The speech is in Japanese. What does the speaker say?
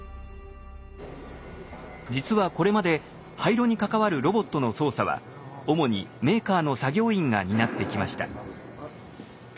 実はこれまで廃炉に関わるロボットの操作は主にメーカーの作業員が担ってきました。